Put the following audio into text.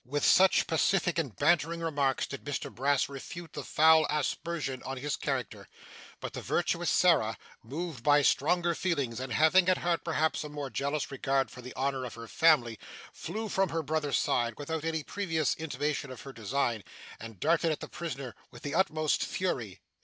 With such pacific and bantering remarks did Mr Brass refute the foul aspersion on his character; but the virtuous Sarah, moved by stronger feelings, and having at heart, perhaps, a more jealous regard for the honour of her family, flew from her brother's side, without any previous intimation of her design, and darted at the prisoner with the utmost fury.